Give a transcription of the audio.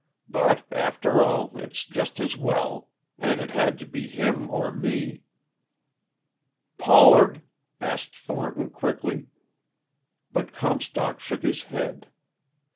"But, after all it's just as well. And it had to be him or me." "Pollard?" asked Thornton quickly. But Comstock shook his head.